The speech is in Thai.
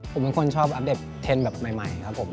ผมเป็นคนชอบอัปเดตเทรนด์แบบใหม่ครับผม